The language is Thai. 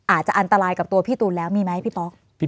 อาจจะอันตรายกับตัวพี่ตูนแล้วมีไหมพี่ป๊อก